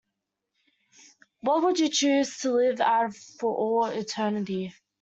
What would you choose to live out for all eternity?